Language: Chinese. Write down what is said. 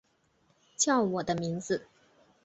叫我的名字